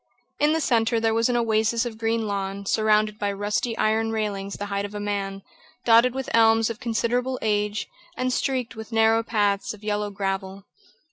In the centre there was an oasis of green lawn, surrounded by rusty iron railings the height of a man, dotted with elms of considerable age, and streaked with narrow paths of yellow gravel.